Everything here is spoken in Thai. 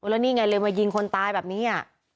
แล้วนี่ไงเลยมายิงคนตายแบบนี้